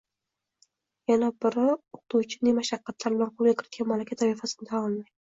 yana biri o‘qituvchi ne mashaqqatlar bilan qo‘lga kiritgan malaka toifasini tan olmaydi.